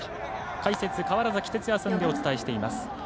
解説、川原崎哲也さんでお伝えしています。